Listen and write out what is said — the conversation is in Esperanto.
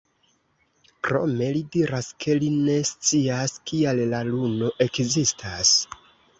Krome li diras, ke li ne scias, kial la luno ekzistas.